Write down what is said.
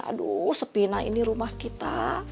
aduh sepina ini rumah kita